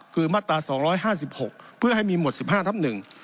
คือมาตรา๒๕๖เพื่อให้มีหวด๑๕ทับ๑